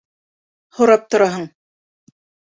Һорап тораһың...